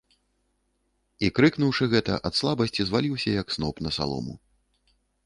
І, крыкнуўшы гэта, ад слабасці зваліўся, як сноп, на салому.